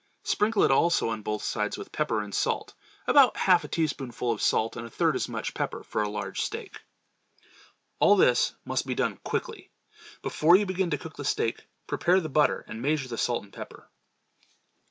Sprinkle it also on both sides with pepper and salt—about half a teaspoonful of salt and a third as much pepper for a large steak. All this must be done quickly. Before you begin to cook the steak, prepare the butter and measure the salt and pepper.